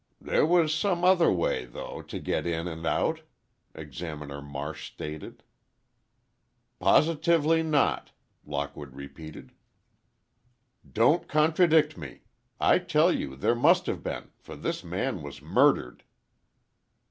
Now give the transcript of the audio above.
"There was some other way, though, to get in and out," Examiner Marsh stated. "Positively not," Lockwood repeated. "Don't contradict me! I tell you there must have been—for this man was murdered."